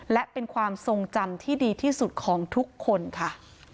และเป็นความทรงจำที่ดีที่สุดของทุกคนค่ะ